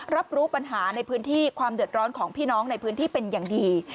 รับรู้ปัญหาในพื้นที่ความเดือดร้อนของพี่น้องในพื้นที่เป็นอย่างดี